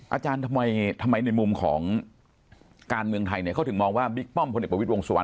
อาจารย์ทำไมในมุมของการเมืองไทยเนี่ยเขาถึงมองว่าบิ๊กป้อมพลเอกประวิทยวงสุวรร